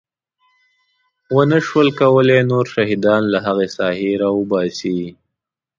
ونه شول کولی نور شهیدان له هغې ساحې راوباسي.